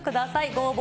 ご応募